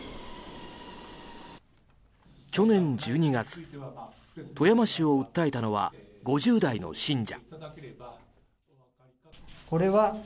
去年１２月、富山市を訴えたのは５０代の信者。